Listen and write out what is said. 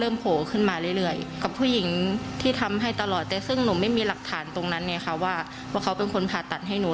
ไม่มีหลักฐานตรงนั้นว่าเขาเป็นคนผ่าตัดให้หนู